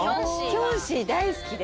キョンシー、大好きで。